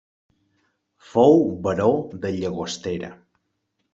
Fou baró de Llagostera.